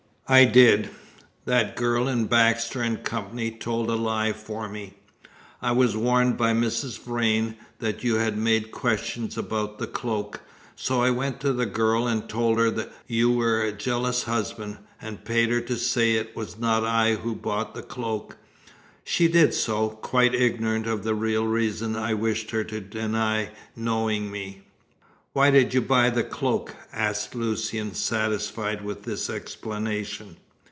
"I did. That girl in Baxter & Co.'s told a lie for me. I was warned by Mrs. Vrain that you had made questions about the cloak, so I went to the girl and told her you were a jealous husband, and paid her to say it was not I who bought the cloak. She did so, quite ignorant of the real reason I wished her to deny knowing me." "Why did you buy the cloak?" asked Lucian, satisfied with this explanation.